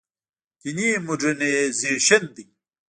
دیني مډرنیزېشن دی.